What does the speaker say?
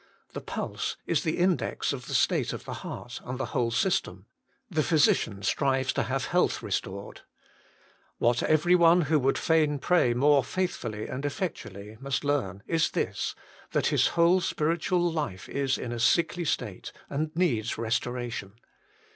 The pulse is the index of the state of the heart and the whole system : the physician strives to have health restored. What everyone who would fain pray more faithfully and effectually must learn is this, that his whole spiritual life is in a sickly state, and needs restora tion.